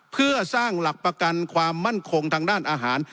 เพื่อสร้างหลักประกันความมั่นคงทางด้านอาหาร